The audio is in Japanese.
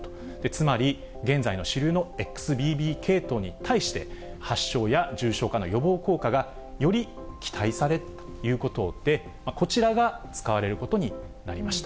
つまり、現在の主流のＸＢＢ．系統に対して発症や重症化の予防効果がより期待されるということで、こちらが使われることになりました。